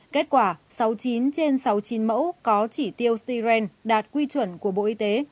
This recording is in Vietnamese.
kết quả sáu mươi chín trên sáu mươi chín mẫu có chỉ tiêu styren đạt quy chuẩn của bộ y tế